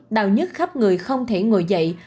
đau nhất khắp người không thể ngồi dậy